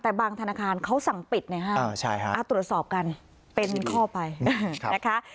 แต่บางธนาคารเขาสั่งปิดนะฮะตรวจสอบกันเป็นข้อไปนะคะ